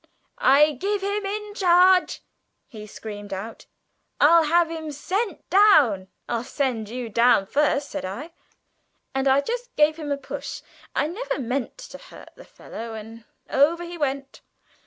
'I give him in charge!' he screamed out. 'I'll have him sent down!' 'I'll send you down first,' said I, and I just gave him a push I never meant to hurt the fellow and over he went.